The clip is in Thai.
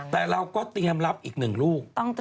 แต่เราก็เตรียมรับอีกหนึ่งลูก